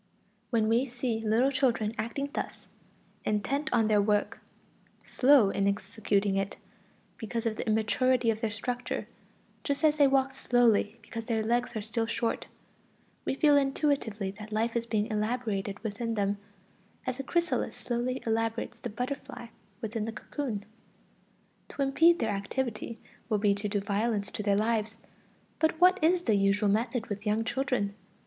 When we see little children acting thus, intent on their work, slow in executing it, because of the immaturity of their structure, just as they walk slowly because their legs are still short, we feel intuitively that life is being elaborated within them, as a chrysalis slowly elaborates the butterfly within the cocoon. To impede their activity would be to do violence to their lives. But what is the usual method with young children?